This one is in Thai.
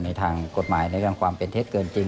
ในทางกฎหมายในทางความเป็นเท็จเกินจริง